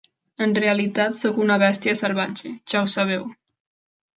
En realitat, soc una bèstia salvatge, ja ho sabeu.